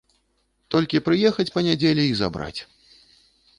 Толькі прыехаць па нядзелі й забраць.